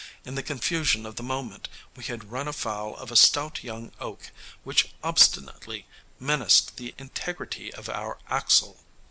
In the confusion of the moment we had run afoul of a stout young oak, which obstinately menaced the integrity of our axle.